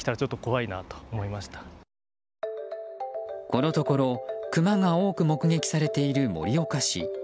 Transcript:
このところクマが多く目撃されている盛岡市。